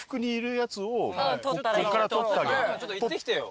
ちょっと行ってきてよ。